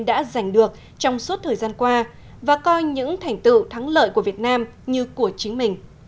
đã giành được trong suốt thời gian qua và coi những thành tựu thắng lợi của việt nam như của chính mình